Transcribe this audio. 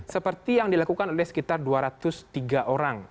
seperti yang dilakukan oleh sekitar dua ratus tiga orang